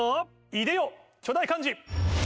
いでよ巨大漢字。